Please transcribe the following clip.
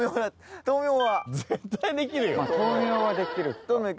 豆苗はできるか。